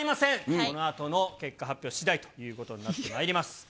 このあとの結果発表しだいということになってまいります。